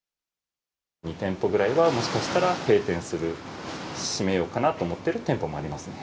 ２店舗ぐらいはもしかしたら閉店する、閉めようかなと思ってる店舗もありますね。